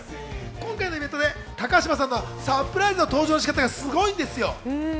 今回のイベントで高嶋さんのサプライズの登場の仕方がすごいんですよ。